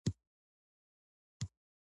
بایو انجنیری له دوو علومو څخه لاس ته راځي.